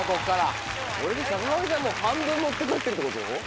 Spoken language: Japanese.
これで坂上さんもう半分持って帰ってるってこと？